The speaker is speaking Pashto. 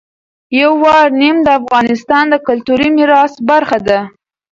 یورانیم د افغانستان د کلتوري میراث برخه ده.